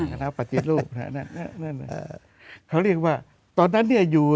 คณะปฏิรูปเขาเรียกว่าตอนนั้นเนี่ยอยู่